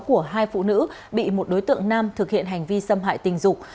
của hai phụ nữ bị một đối tượng nam thực hiện hành vi xâm hại tình dục